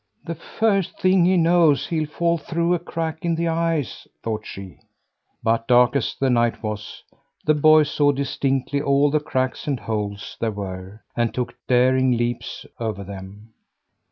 "The first thing he knows, he'll fall through a crack in the ice," thought she. But dark as the night was, the boy saw distinctly all the cracks and holes there were, and took daring leaps over them.